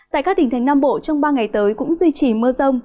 tại các tỉnh thành nam bộ trong ba ngày tới cũng duy trì mưa rông